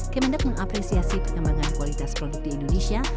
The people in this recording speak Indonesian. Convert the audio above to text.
kemendak mengapresiasi perkembangan kualitas produk di indonesia